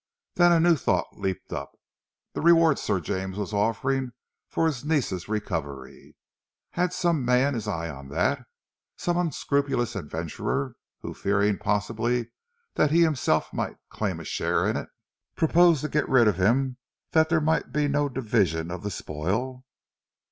Then a new thought leaped up. The reward Sir James was offering for his niece's recovery! Had some man his eye on that some unscrupulous adventurer, who fearing possibly that he himself might claim a share in it, proposed to get rid of him that there might be no division of the spoil?